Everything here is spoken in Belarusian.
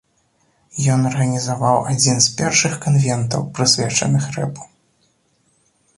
Ён арганізаваў адзін з першых канвентаў, прысвечаных рэпу.